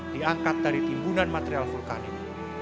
diangkat dari timbunan material vulkanik